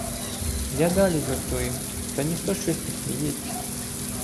Я далі жартую, та ніхто шось не сміється.